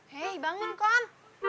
hei bangun kom